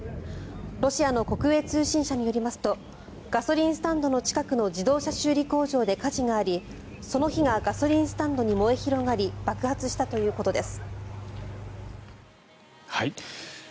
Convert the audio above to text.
ロシアの国営通信社によりますとガソリンスタンドの近くの自動車修理工場で火事がありその火がガソリンスタンドに燃え広がり爆発したということです。